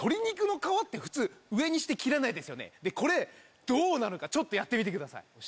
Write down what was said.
これどうなのかやってみてください。